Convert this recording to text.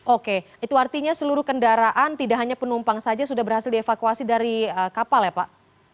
oke itu artinya seluruh kendaraan tidak hanya penumpang saja sudah berhasil dievakuasi dari kapal ya pak